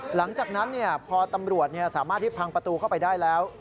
หลังจากนั้นพอตำรวจสามารถที่พังประตูเข้าไปได้แล้ว